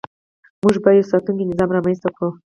موږ باید یو ساتونکی نظام رامنځته کړو.